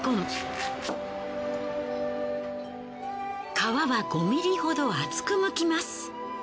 皮は５ｍｍほど厚くむきます。